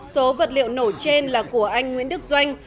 số vật liệu nổ trên là của anh nguyễn đức doanh